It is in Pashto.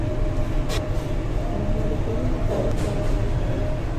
د مالیکول تعریف به راته وکړئ.